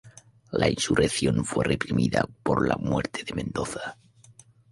La insurrección fue reprimida con la muerte de Mendoza, capitán de la "Victoria".